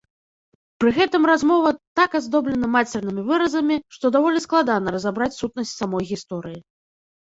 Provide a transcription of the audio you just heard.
Пры гэтым размова так аздоблена мацернымі выразамі, што даволі складана разабраць сутнасць самой гісторыі.